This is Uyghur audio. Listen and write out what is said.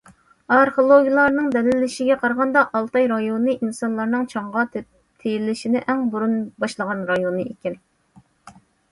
ئارخېئولوگلارنىڭ دەلىللىشىگە قارىغاندا، ئالتاي رايونى ئىنسانلارنىڭ چاڭغا تېيىلىشنى ئەڭ بۇرۇن باشلىغان رايونى ئىكەن.